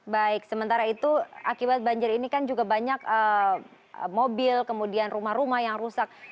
baik sementara itu akibat banjir ini kan juga banyak mobil kemudian rumah rumah yang rusak